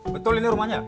betul ini rumahnya